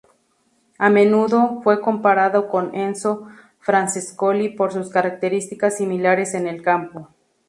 A menudo, fue comparado con Enzo Francescoli por sus características similares en el campo.